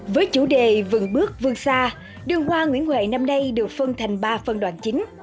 với chủ đề vững bước vương xa đường hoa nguyễn huệ năm nay được phân thành ba phân đoạn chính